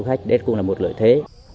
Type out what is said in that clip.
cho khách đến cũng là một lợi thế